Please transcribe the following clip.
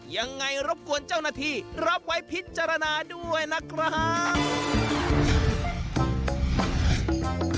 ยังไงรบกวนเจ้าหน้าที่รับไว้พิจารณาด้วยนะครับ